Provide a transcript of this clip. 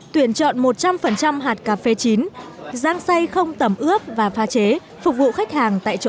tuyển chọn một trăm linh hạt cà phê chín răng say không tẩm ướp và pha chế phục vụ khách hàng tại chỗ